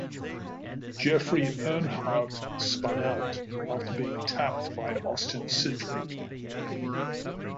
Jeffrey Earnhardt spun out after being tapped by Austin Cindric.